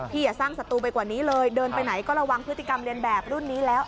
อย่าสร้างศัตรูไปกว่านี้เลยเดินไปไหนก็ระวังพฤติกรรมเรียนแบบรุ่นนี้แล้ว